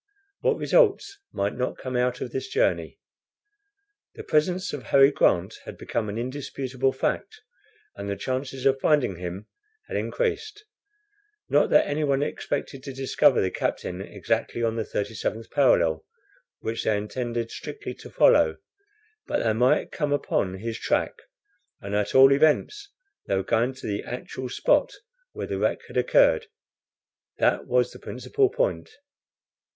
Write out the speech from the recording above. What results might not come out of this journey. The presence of Harry Grant had become an indisputable fact, and the chances of finding him had increased. Not that anyone expected to discover the captain exactly on the 37th parallel, which they intended strictly to follow, but they might come upon his track, and at all events, they were going to the actual spot where the wreck had occurred. That was the principal point.